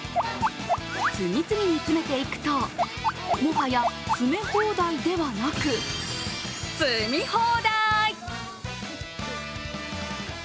次々に詰めていくと、もはや詰め放題ではなく積み放題。